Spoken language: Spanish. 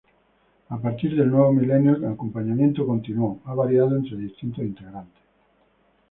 A partir del nuevo milenio, el acompañamiento continuo ha variado entre distintos integrantes.